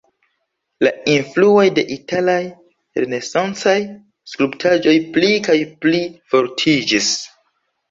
La influoj de italaj renesancaj skulptaĵoj pli kaj pli fortiĝis.